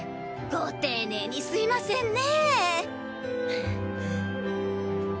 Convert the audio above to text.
ご丁寧にすみませんね。